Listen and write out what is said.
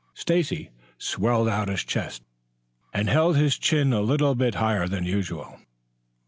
Stacy swelled out his chest and held his chin a little bit higher than usual.